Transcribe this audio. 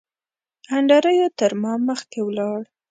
انډریو تر ما مخکې ولاړ.